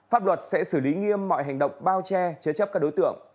pháp luật sẽ xử lý nghiêm mọi hành động bao che chế chấp các đối tượng